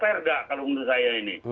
tapi itu terdak kalau menurut saya ini